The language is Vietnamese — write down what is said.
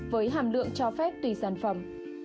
với hàm lượng cho phép tùy sản phẩm